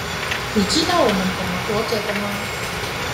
你知道我們怎麼活著的嗎？